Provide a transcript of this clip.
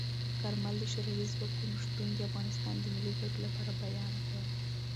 کارمل د شوروي ځواکونو شتون د افغانستان د ملي ګټو لپاره بیان کړ.